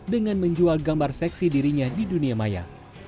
dengan menjual gambar seksi dirinya di dunia maya